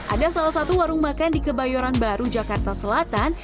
ada salah satu warung makan di kebayoran baru jakarta selatan